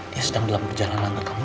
dia sedang dalam perjalanan ke kamu